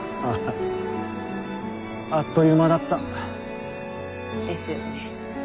あっという間だった。ですよね。